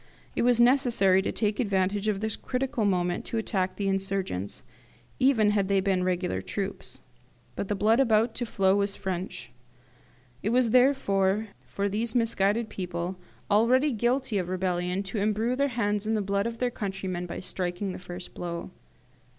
It was necessary to take advantage of this critical moment to attack the insurgents, even had they been regular troops. But the blood about to flow was French; it was therefore for these misguided people, already guilty of rebellion, to embrue their hands in the blood of their countrymen by striking the first blow.